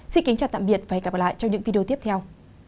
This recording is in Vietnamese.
xin kính chào tạm biệt và hẹn gặp lại trong những video tiếp theo